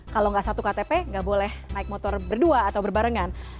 kalau nggak satu ktp nggak boleh naik motor berdua atau berbarengan